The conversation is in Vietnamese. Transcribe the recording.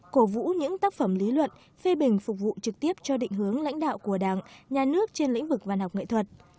cổ vũ những tác phẩm lý luận phê bình phục vụ trực tiếp cho định hướng lãnh đạo của đảng nhà nước trên lĩnh vực văn học nghệ thuật